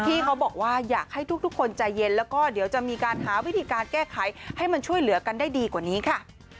เขาบอกว่าอยากให้ทุกคนใจเย็นแล้วก็เดี๋ยวจะมีการหาวิธีการแก้ไขให้มันช่วยเหลือกันได้ดีกว่านี้ค่ะ